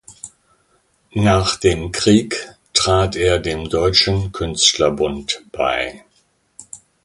Nach dem Krieg trat er dem Deutschen Künstlerbund bei.